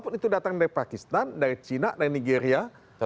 untuk bandar bandar ya